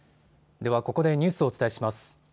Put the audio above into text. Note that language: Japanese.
ではここでニュースをお伝えします。